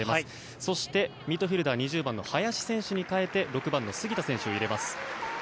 そして、ミッドフィールダー２０番の林選手に代えて６番の杉田選手を入れます。